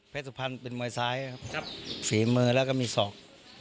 สุพรรณเป็นมวยซ้ายครับฝีมือแล้วก็มีศอก